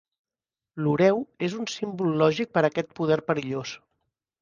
L'ureu és un símbol lògic per a aquest poder perillós.